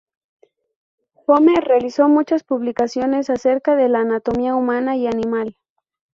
Home realizó muchas publicaciones acerca del la anatomía humana y animal.